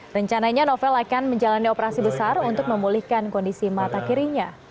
rencananya novel akan menjalani operasi besar untuk memulihkan kondisi mata kirinya